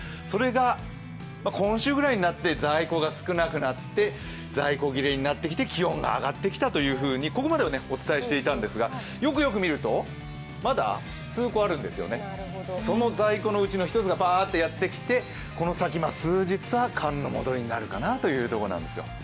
それが今週ぐらいになって在庫が少なくなって、在庫切れになってきて、気温が上がってきたというふうにここまではお伝えしていたんですがよくよく見ると、まだ数個あるんですよね、その在庫のうちの１つがパーッとやってきて、この先、数日は寒の戻りになるかなという感じなんですよ。